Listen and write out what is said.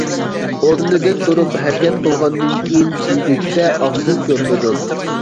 ئورنىدىن تۇرۇپ ھەرىكەت قىلغاندىن كېيىنكى سۈيدۈكتە ئاقسىل كۆرۈنىدۇ.